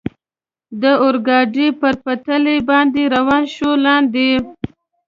د اورګاډي پر پټلۍ باندې روان شو، لاندې.